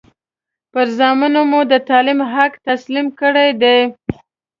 پر زامنو مو د تعلیم حق تسلیم کړی دی.